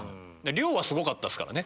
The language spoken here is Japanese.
量はすごかったっすからね。